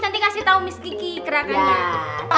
nanti kasih tau misiki kerakannya